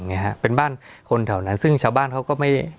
เนี้ยฮะเป็นบ้านคนแถวนั้นซึ่งชาวบ้านเขาก็ไม่